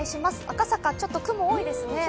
赤坂、ちょっと雲が多いですね。